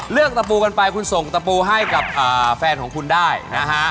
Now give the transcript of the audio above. ตะปูกันไปคุณส่งตะปูให้กับแฟนของคุณได้นะฮะ